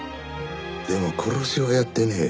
でも殺しはやってねえ。